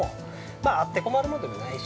まあ、あって困るもんでもないし。